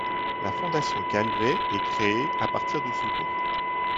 La Fondation Calvet est créée à partir de ce don.